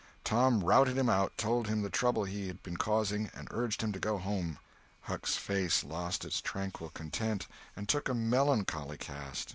Tom routed him out, told him the trouble he had been causing, and urged him to go home. Huck's face lost its tranquil content, and took a melancholy cast.